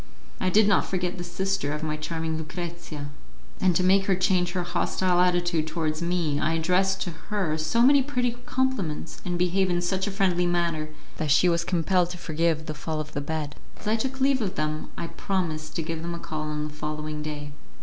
I did not forget the sister of my charming Lucrezia, and to make her change her hostile attitude towards me I addressed to her so many pretty compliments, and behaved in such a friendly manner, that she was compelled to forgive the fall of the bed. As I took leave of them, I promised to give them a call on the following day.